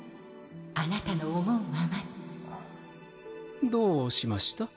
あなたの思うままにどうしました？